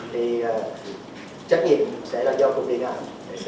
thì trách nhiệm sẽ là do cục điện ảnh để xử lý